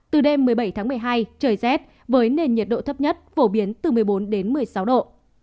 từ đêm một mươi bảy tháng một mươi hai trời rét với nền nhiệt độ thấp nhất phổ biến từ một mươi bốn đến một mươi sáu độ